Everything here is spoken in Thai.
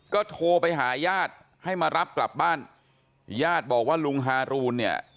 ก็โทรไปหาญาติให้มารับกลับบ้านญาติบอกว่าลุงฮารูนเนี่ย